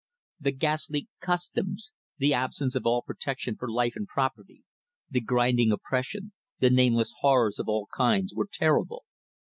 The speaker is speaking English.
The ghastly "customs," the absence of all protection for life and property, the grinding oppression, the nameless horrors of all kinds, were terrible.